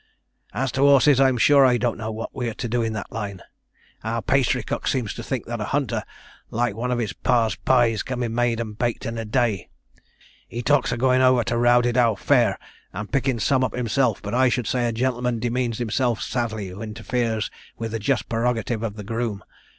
'As to horses, I'm sure I don't know what we are to do in that line. Our pastrycook seems to think that a hunter, like one of his pa's pies, can be made and baked in a day. He talks of going over to Rowdedow Fair, and picking some up himself; but I should say a gentleman demeans himself sadly who interferes with the just prerogative of the groom.